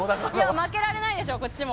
負けられないでしょこっちも。